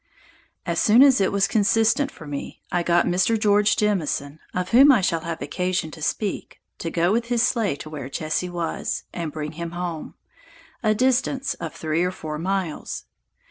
As soon as it was consistent for me, I got Mr. George Jemison, (of whom I shall have occasion to speak,) to go with his sleigh to where Jesse was, and bring him home, a distance of 3 or 4 miles.